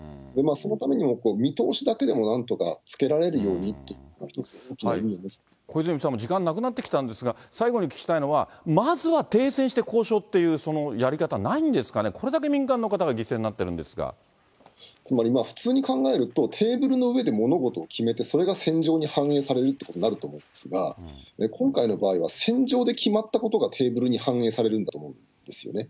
そのためにも、見通しだけでもなんとかつけられるようにということが一つ大きな小泉さん、時間なくなってきたんですが、最後にお聞きしたいのは、まずは停戦して交渉してっていうやり方、ないんですかね、これだけ民間の方が犠牲になってつまり、普通に考えると、テーブルの上で物事を決めて、それが戦場に反映されるっていうことになると思うんですが、今回の場合は戦場で決まったことが、テーブルに反映されるんだと思うんですよね。